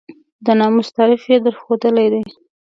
د ناموس تعریف یې درښودلی دی.